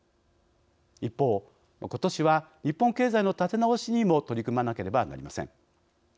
一方ことしは日本経済の立て直しにも取り組まなければなりません。